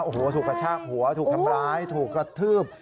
โอ้โหถูกกระชากหัวถูกทำร้ายถูกกระทืบ